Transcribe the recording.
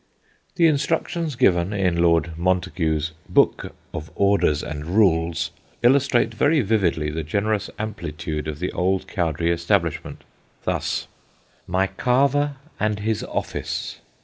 The instructions given in Lord Montagu's "Booke of Orders and Rules" illustrate very vividly the generous amplitude of the old Cowdray establishment. Thus: MY CARVER AND HIS OFFICE.